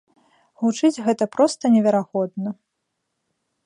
Гучыць гэта проста неверагодна.